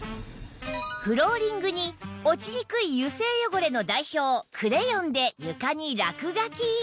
フローリングに落ちにくい油性汚れの代表クレヨンで床に落書き